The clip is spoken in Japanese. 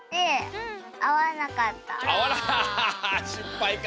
あしっぱいか。